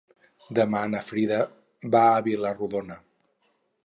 Demà na Frida va a Vila-rodona.